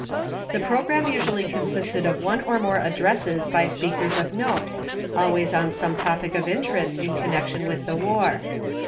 The program usually consisted of one or more addresses by speakers of note, always on some topic of interest in connection with the war.